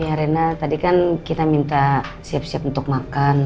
ya rena tadi kan kita minta siap siap untuk makan